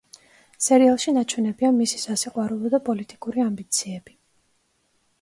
სერიალში ნაჩვენებია მისი სასიყვარულო და პოლიტიკური ამბიციები.